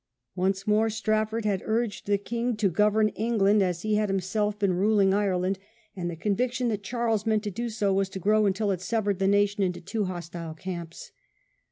Once before Strafford had urged the A SCOTTISH VICTORY. 3 1 king to govern England as he had himself been ruling Ireland, and the conviction that Charles meant to do so was to grow until it severed the nation into two hostile camps.